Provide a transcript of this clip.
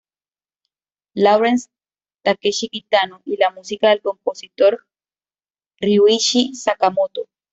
Lawrence" Takeshi Kitano y la música del compositor Ryuichi Sakamoto.